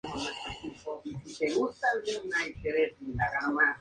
Hijo del Dr.